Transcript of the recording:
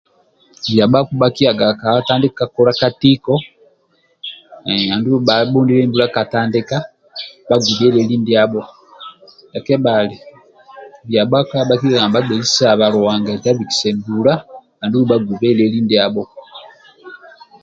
Bia bhakpa bhakiyaga ka kola ka katiko andulu bhabhundilie mbula kadhoka bagube lieli ndiabho ndia kebhali bia bhakpa bhakilikaga nibhabgei saba Luhanga eti abikise mbula andulu bhagube lieli ndiabho